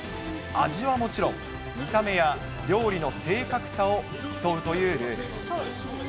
味はもちろん、見た目や料理の正確さを競うというルール。